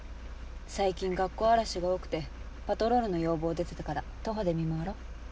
最近学校荒らしが多くてパトロールの要望出てたから徒歩で見回ろう。